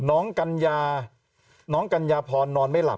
กัญญาน้องกัญญาพรนอนไม่หลับ